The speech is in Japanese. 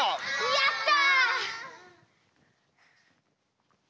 やった！